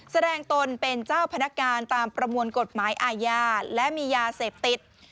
ตนเป็นเจ้าพนักงานตามประมวลกฎหมายอาญาและมียาเสพติด